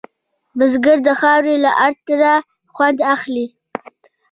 بزګر د خاورې له عطره خوند اخلي